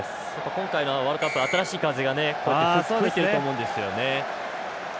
今回のワールドカップ新しい風が、こうやって吹いてると思うんですよね。